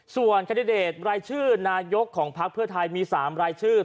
ส่วนแคนดิเดตรายชื่อนายกของพักเพื่อไทยมี๓รายชื่อ